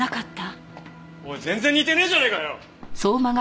おい全然似てねえじゃねえかよ！